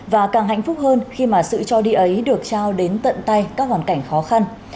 và càng hạnh phúc hơn khi mà sự cho đi ấy được trao đến tận tay các hoàn cảnh khó khăn